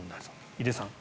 井手さん